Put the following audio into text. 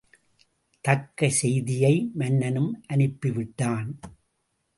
தக்க செய்தியை மன்னனும் அனுப்பிவிட்டான்.